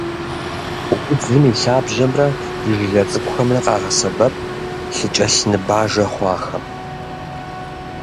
Удзым и лъабжьэмрэ и жылэ цӏыкӏухэмрэ къагъэсэбэп лъыкӏэлъныбажэ хъуахэм.